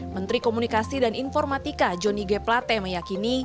menteri komunikasi dan informatika johnny g plate meyakini